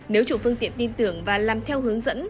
nếu chủ phương tiện tin tưởng và làm theo hướng dẫn